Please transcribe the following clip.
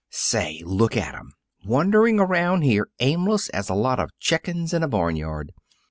"Say; look at 'em! Wandering around here, aimless as a lot of chickens in a barnyard.